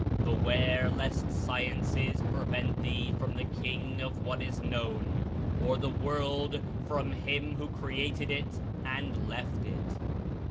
Beware lest sciences prevent thee from the King of what is known, or the world from Him who created it and left it.